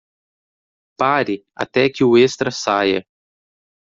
Pare até que o extra saia.